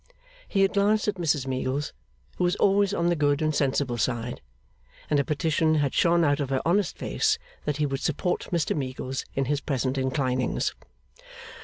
He had glanced at Mrs Meagles, who was always on the good and sensible side; and a petition had shone out of her honest face that he would support Mr Meagles in his present inclinings.